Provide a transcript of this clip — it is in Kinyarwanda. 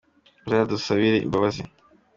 Uzadusabire imbabazi.